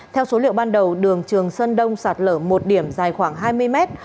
theo số liệu ban đầu đường trường sơn đông sạt lở một điểm dài khoảng hai mươi mét